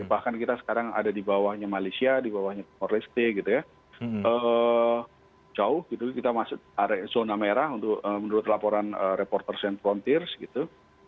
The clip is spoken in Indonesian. bahkan kita sekarang ada di bawahnya malaysia di bawahnya timur leste gitu ya jauh gitu kita masuk zona merah untuk menurut laporan reporters and frontiers gitu